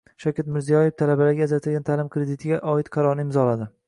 Shavkat Mirziyoyev talabalarga ajratiladigan ta’lim kreditiga oid qarorni imzoladi